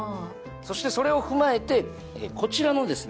そしてそれを踏まえてこちらのですね